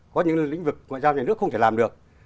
có những lĩnh vực ngoại giao nhà nước không thể làm được